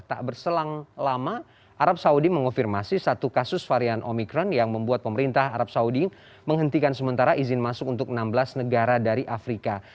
tak berselang lama arab saudi mengofirmasi satu kasus varian omikron yang membuat pemerintah arab saudi menghentikan sementara izin masuk untuk enam belas negara dari afrika